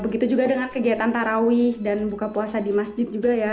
begitu juga dengan kegiatan tarawih dan buka puasa di masjid juga ya